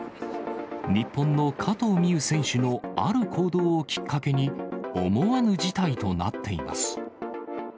日本の加藤未唯選手のある行動をきっかけに、思わぬ事態となっています。